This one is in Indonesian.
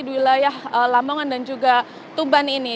di wilayah lamongan dan juga tuban ini